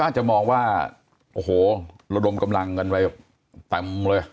อาจจะมองว่าโอ้โหระดมกำลังกันไปเต็มเลย